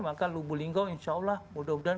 maka lubulingga insya allah mudah mudahan